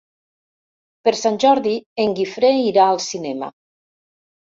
Per Sant Jordi en Guifré irà al cinema.